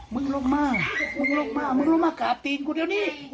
มึงลงมามึงลงมามึงรู้มากราบตีนกูเดี๋ยวนี้